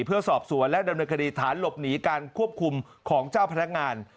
เพื่อสอบสวนและดำเนินคดีฐานหลบหนีการควบคุมของเจ้าพนักงาน